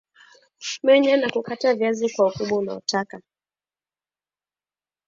menya na kukata viazi kwa ukubwa unaotaka